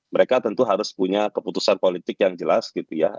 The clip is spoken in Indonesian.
mereka tentu harus punya keputusan politik yang jelas gitu ya